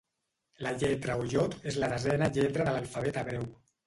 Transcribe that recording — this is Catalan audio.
La lletra o iod és la desena lletra de l'alfabet hebreu.